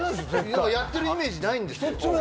やってるイメージないんですよ